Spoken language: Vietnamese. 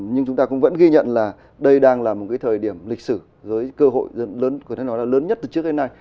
nhưng chúng ta cũng vẫn ghi nhận là đây đang là một thời điểm lịch sử với cơ hội lớn nhất từ trước đến nay